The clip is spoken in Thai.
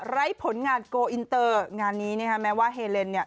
ไร้ผลงานโกอินเตอร์งานนี้เนี่ยค่ะแม้ว่าเฮเลนเนี่ย